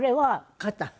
肩。